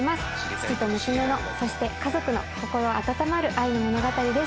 父と娘のそして家族の心温まる愛の物語です。